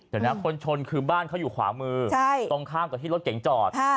เดี๋ยวนะคนชนคือบ้านเขาอยู่ขวามือตรงข้ามกับที่รถเก๋งจอด